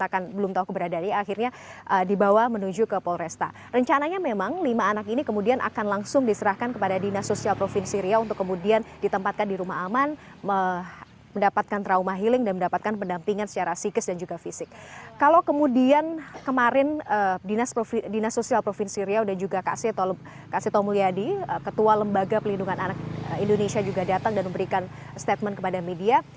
kalau kemudian kemarin dinas sosial provinsi riau dan juga kak seto mulyadi ketua lembaga pelindungan anak indonesia juga datang dan memberikan statement kepada media